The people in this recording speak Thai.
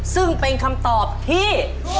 ซึ่งเป็นคำตอบที่